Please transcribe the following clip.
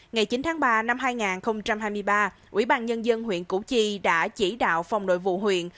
ngày chín tháng ba năm hai nghìn hai mươi ba ủy ban nhân dân huyện củ chi đã chỉ đạo phòng nội vụ huyện